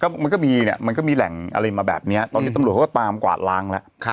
มันก็มีเนี่ยมันก็มีแหล่งอะไรมาแบบนี้ตอนนี้ตำรวจเขาก็ตามกวาดล้างแล้ว